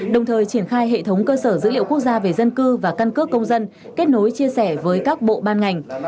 đồng thời triển khai hệ thống cơ sở dữ liệu quốc gia về dân cư và căn cước công dân kết nối chia sẻ với các bộ ban ngành